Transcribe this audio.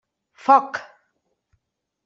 Foc!